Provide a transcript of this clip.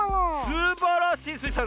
すばらしいスイさん！